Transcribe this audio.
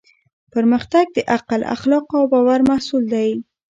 پرمختګ د عقل، اخلاقو او باور محصول دی.